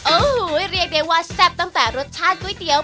โอ้โหเรียกได้ว่าแซ่บตั้งแต่รสชาติก๋วยเตี๋ยว